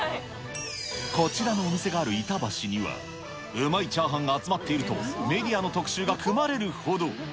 こちらのお店がある板橋には、うまいチャーハンが集まっていると、メディアの特集が組まれるほど。